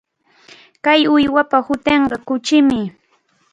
Kay uywapa hutinqa kuchimi.